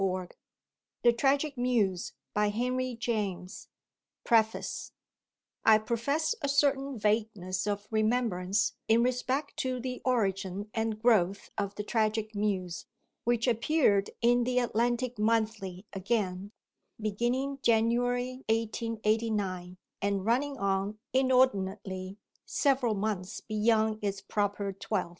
Limited St. Martin's Street, London 1921 PREFACE I profess a certain vagueness of remembrance in respect to the origin and growth of The Tragic Muse, which appeared in the Atlantic Monthly again, beginning January 1889 and running on, inordinately, several months beyond its proper twelve.